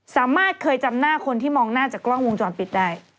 สามารถเคยจำหน้าคนที่มองหน้าจากกล้องวงจรปิดได้